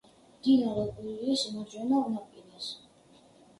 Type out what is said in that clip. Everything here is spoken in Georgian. მდინარე ყვირილის მარჯვენა ნაპირას.